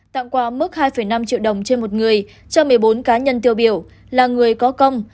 tặng quà mức hai năm triệu đồng trên một người cho một mươi bốn cá nhân tiêu biểu là người có công